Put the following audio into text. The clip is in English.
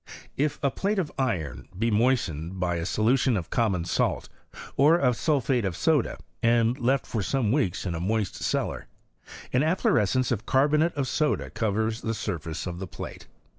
If a plate of iron be moistened by a solution of common salt, or of sulphate of soda, and left for some weeks in a moist cellar, an affloreacence of carbonate of soda covers the surface of the plate.